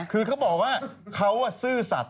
คือเขาบอกว่าเขาซื่อสัตว